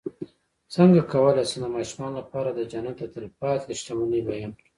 څنګه کولی شم د ماشومانو لپاره د جنت د تل پاتې شتمنۍ بیان کړم